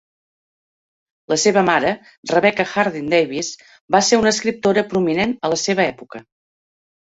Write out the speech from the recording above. La seva mare, Rebecca Harding Davis, va ser una escriptora prominent a la seva època.